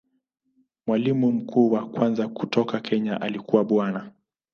Mwalimu mkuu wa kwanza kutoka Kenya alikuwa Bwana.